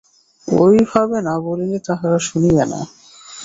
ঐভাবে না বলিলে তাহারা শুনিবে না।